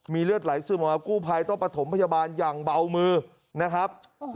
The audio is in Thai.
มีเลือดไหลซึมมากู้ภัยตอบประถมพยาบาลอย่างเบามือนะครับโอ้โห